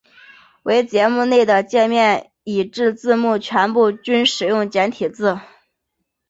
唯节目内的介面以至字幕全部均使用简体字。